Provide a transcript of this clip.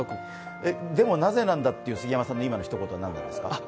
でも、なぜなんだっていう杉山さんのひと言は何なんですか？